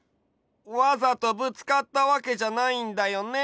わざとぶつかったわけじゃないんだよね？